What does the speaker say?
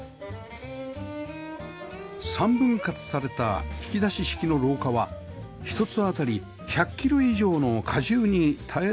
３分割された引き出し式の廊下は一つ当たり１００キロ以上の荷重に耐えられるそう